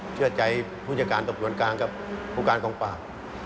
เชื่อใจผู้จัดการตบส่วนกลางกับผู้การกองปราบ